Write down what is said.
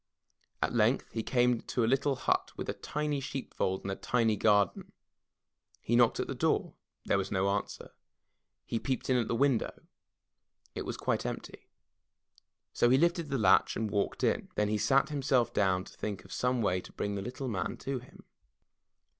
At length he came to a little hut with a tiny sheep fold and a tiny garden. He knocked at the door, there was no answer, he peeped in the window — ^it was quite empty. So he lifted the latch and walked in. Then he sat himself down to think of some way to bring the little man to him.